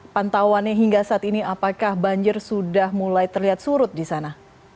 pantauannya hingga saat ini apakah banjir sudah mulai terlihat surut di sana